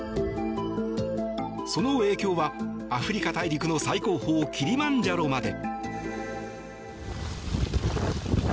その影響はアフリカ大陸の最高峰、キリマンジャロまで。